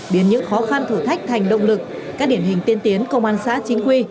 biến những khó khăn thử thách thành động lực các điển hình tiên tiến công an xã chính quy